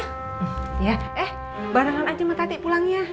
eh barengan aja sama tati pulangnya